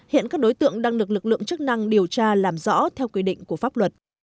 hiện các đối tượng đang được lực lượng chức năng điều tra làm rõ theo quy định của pháp luật